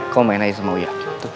kau main aja sama ya